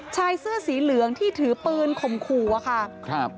ชายเสื้อสีเหลืองที่ถือปืนข่มขู่อะค่ะครับ